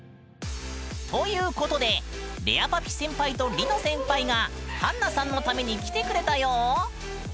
ということでれあぱぴ先輩とりの先輩がはんなさんのために来てくれたよ！